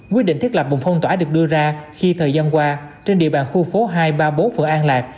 quyết định thiết lập vùng phong tỏa được đưa ra khi thời gian qua trên địa bàn khu phố hai ba mươi bốn phường an lạc